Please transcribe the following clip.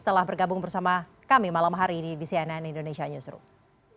telah bergabung bersama kami malam hari ini di cnn indonesia newsroom